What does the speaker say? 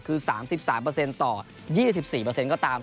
คือ๓๓เปอร์เซ็นต์ต่อ๒๔เปอร์เซ็นต์ก็ตาม